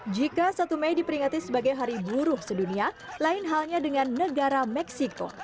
jika satu mei diperingati sebagai hari buruh sedunia lain halnya dengan negara meksiko